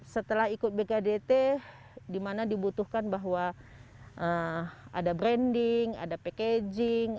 setelah ikut bkdt dimana dibutuhkan bahwa ada branding ada packaging